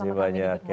terima kasih banyak